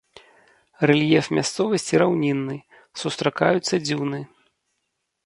Рэльеф мясцовасці раўнінны, сустракаюцца дзюны.